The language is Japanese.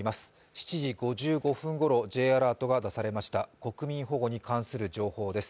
７時５５分ごろ、Ｊアラートが出されました、国民保護に関する情報です。